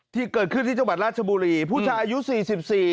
ที่เกิดขึ้นที่จังหวัดราชบุรีผู้ชายอายุสี่สิบสี่